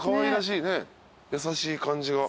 優しい感じが。